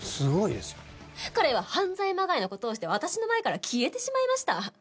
これは犯罪まがいのことをして私の前から消えてしまいました。